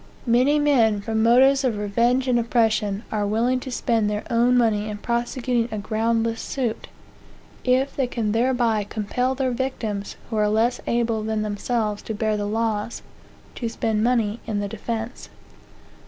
Many men, from motives of revenge and oppression, are willing to spend their own money in prosecuting a groundless suit, if they can thereby compel their victims, who are less able than themselves to bear the loss, to spend money in the defence.